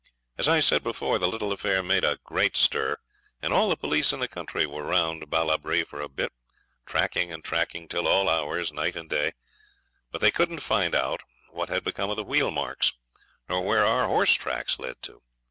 As I said before, the little affair made a great stir, and all the police in the country were round Ballabri for a bit, tracking and tracking till all hours, night and day; but they couldn't find out what had become of the wheel marks, nor where our horse tracks led to.